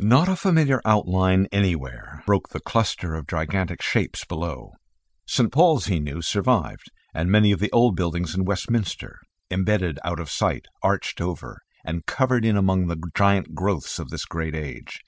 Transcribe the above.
Not a familiar outline anywhere broke the cluster of gigantic shapes below. St. Paul's he knew survived, and many of the old buildings in Westminster, embedded out of sight, arched over and covered in among the giant growths of this great age.